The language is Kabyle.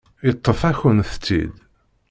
Yeṭṭef-akent-tt-id.